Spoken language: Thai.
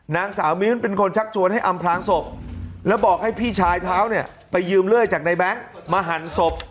นางสาวมิ้นเป็นคนชักชวนให้อำพลางศพแล้วบอกให้พี่ชายเท้าเนี่ยไปยืมเลื่อยจากในแบงค์มาหั่นศพ